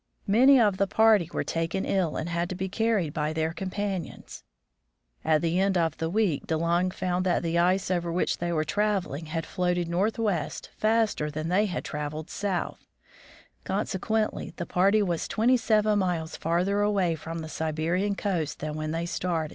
Many of the party were taken ill and had to be carried by their companions. At the end of the week, De Long found that the ice over which they were traveling had floated northwest faster than they had traveled south; consequently the party was twenty seven miles farther away from the Siberian coast than when they started.